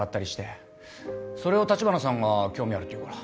それを城華さんが興味あるっていうから。